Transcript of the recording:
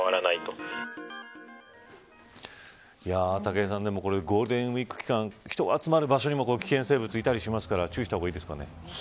武井さん、でもこれゴールデンウイーク期間人が集まる場所にも危険生物いたりしますから注意した方がいいですね。